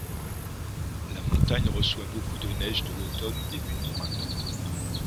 La montagne reçoit beaucoup de neige de l'automne au début du printemps.